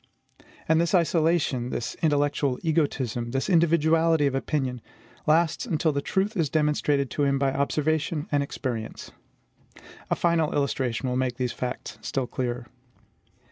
And this isolation, this intellectual egotism, this individuality of opinion, lasts until the truth is demonstrated to him by observation and experience. A final illustration will make these facts still clearer.